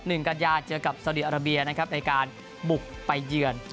หนึ่งกัญญาติเจอกับสาวเดียร์อาราเบียนะครับในการบุกไปเยื่อน